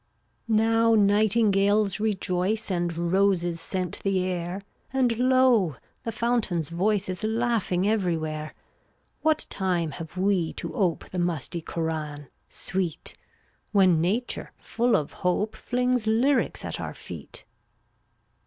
370 Now nightingales rejoice And roses scent the air, And, lo! the fountain's voice Is laughing everywhere. What time have we to ope The musty Koran, Sweet, When nature, full of hope, Flings lyrics at our feet?